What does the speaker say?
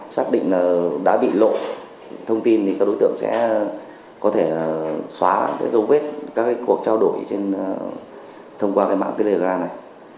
xác định đã bị lộ thông tin thì các đối tượng sẽ có thể xóa giấu vết các cuộc trao đổi thông qua mạng telegram này